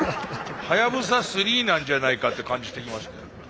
はやぶさ３なんじゃないかって感じてきました。